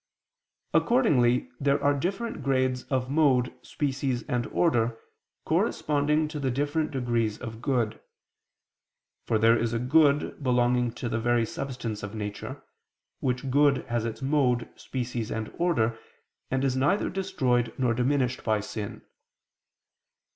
Accordingly there are different grades of mode, species and order, corresponding to the different degrees of good. For there is a good belonging to the very substance of nature, which good has its mode, species and order, and is neither destroyed nor diminished by sin.